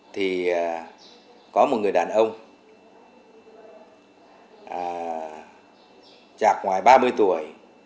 thì có một người đàn ông chạc ngoài ba mươi tuổi